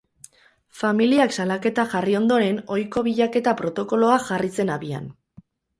Familiak salaketa jarri ondoren, ohiko bilaketa protokoloa jarri zen abian.